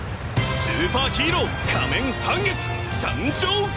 スーパーヒーロー仮面半月参上！